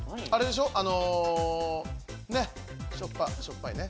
しょっぱいね。